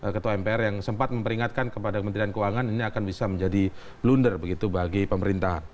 ketua mpr yang sempat memperingatkan kepada kementerian keuangan ini akan bisa menjadi blunder begitu bagi pemerintahan